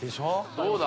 どうだ？